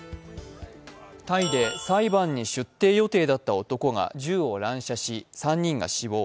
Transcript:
タイで裁判に出廷予定だった男が、銃を乱射し３人が死亡。